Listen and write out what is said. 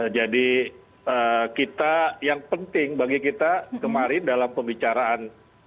jadi kita yang penting bagi kita kemarin dalam pembicaraan